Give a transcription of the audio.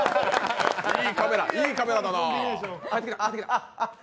いいカメラだなあ。